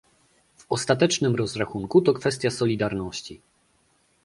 W ostatecznym rozrachunku to kwestia solidarności